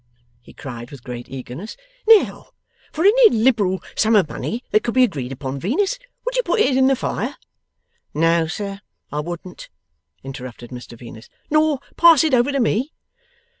he cried, with great eagerness. 'Now, for any liberal sum of money that could be agreed upon, Venus, would you put it in the fire?' 'No, sir, I wouldn't,' interrupted Mr Venus. 'Nor pass it over to me?